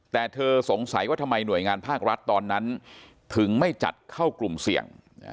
แต่เธอสงสัยว่าทำไมหน่วยงานภาครัฐตอนนั้นถึงไม่จัดเข้ากลุ่มเสี่ยง